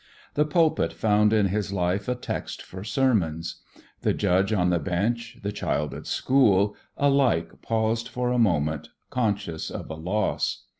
The pulpit found in his life a text for sermons. The judge on the bench, the child at school, alike paused for a moment, conscious of a loss.